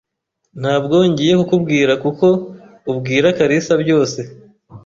Ntabwo ngiye kukubwira kuko ubwira kalisa byose.